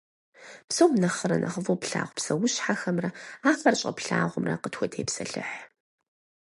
Псом нэхърэ нэхъыфӏу плъагъу псэущхьэхэмрэ ахэр щӏэплъагъумрэ къытхутепсэлъыхь.